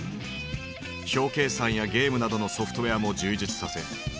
表計算やゲームなどのソフトウエアも充実させ大ヒットとなった。